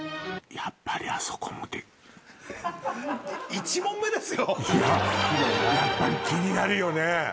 やっぱり気になるよね。